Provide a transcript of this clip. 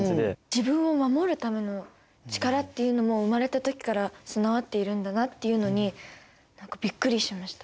自分を守るための力っていうのも生まれた時から備わっているんだなっていうのに何かびっくりしました。